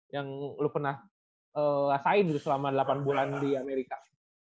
yang lu pernah rasain selama delapan bulan di amerika